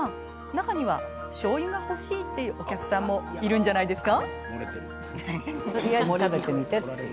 中にはしょうゆが欲しいってお客さんもいるんじゃないですか？